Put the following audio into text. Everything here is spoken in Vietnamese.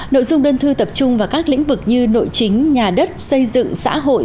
nội dung đơn thư tập trung vào các lĩnh vực như nội chính nhà đất xây dựng xã hội